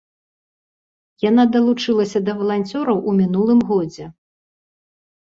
Яна далучылася да валанцёраў у мінулым годзе.